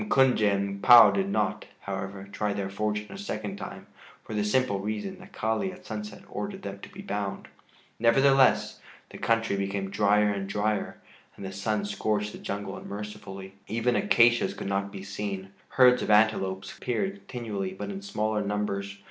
M'Kunje and M'Pua did not, however, try their fortune a second time for the simple reason that Kali at sunset ordered them to be bound. Nevertheless, the country became drier and drier, and the sun scorched the jungle unmercifully. Even acacias could not be seen. Herds of antelopes appeared continually but in smaller numbers.